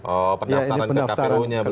oh pendaftaran ke kpu nya